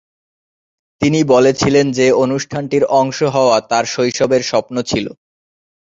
তিনি বলেছিলেন যে, অনুষ্ঠানটির অংশ হওয়া তার শৈশবের স্বপ্ন ছিল।